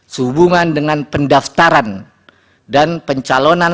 sehubungan dengan pendaftaran dan pencalonan